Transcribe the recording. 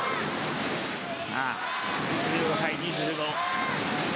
２５対２５。